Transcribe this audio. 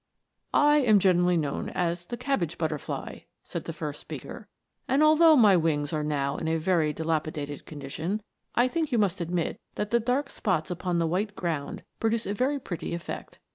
" I am generally known as the cabbage butterfly," said the first speaker, " and although my wings are now in a very dilapidated condition, I think you 144 METAMORPHOSES. must admit that the dark spots upon the white ground produce a very pretty effect.